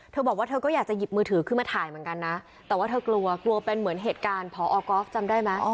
เธอบอกว่าเธอก็อยากจะหยิบมือถือขึ้นมาถ่ายเหมือนกันนะแต่ว่าเธอกลัวกลัวเป็นเหมือนเหตุการณ์พอก๊อฟจำได้ไหม